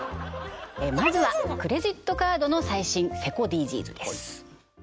まずはクレジットカードの最新セコＤＧｓです